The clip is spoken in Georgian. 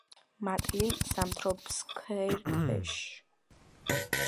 მატლი ზამთრობს ქერქქვეშ.